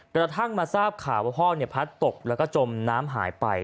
กระทั่งมาทราบข่าวว่าพ่อพัดตกแล้วก็จมน้ำหายไป